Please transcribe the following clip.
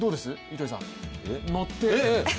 糸井さん乗って。